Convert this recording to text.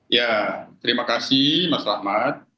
ya terima kasih mas rahmat